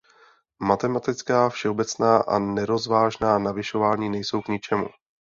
Matematická, všeobecná a nerozvážná navyšování nejsou k ničemu.